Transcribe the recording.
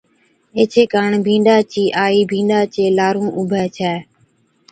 ايڇي ڪاڻ بِينڏا چِي آئِي بِينڏا چي لارُون اُڀي ڇَي